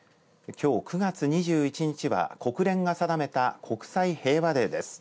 きょう９月２１日は国連が定めた国際平和デーです。